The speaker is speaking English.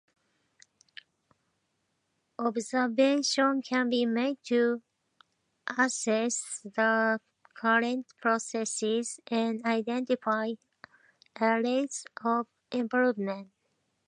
Observations can be made to assess the current processes and identify areas of improvement.